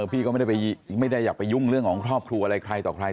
พี่ก็ไม่ได้อยากไปยุ่งเรื่องของครอบครัวอะไรใครต่อใคร